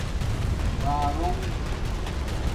بݳرݸنگ